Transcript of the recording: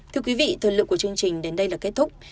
thưa quý vị thời lượng của chương trình đến đây là kết thúc